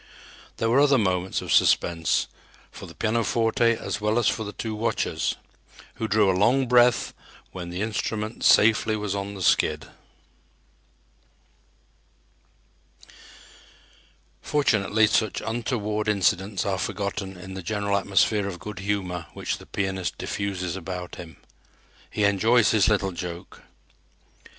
There were other moments of suspense, for the pianoforte as well as for the two watchers, who drew a long breath when the instrument safely was on the skid. Fortunately such untoward incidents are forgotten in the general atmosphere of good humor which the pianist diffuses about him. He enjoys his little joke.